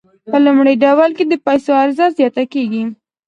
په لومړي ډول کې د پیسو عرضه زیاته کیږي.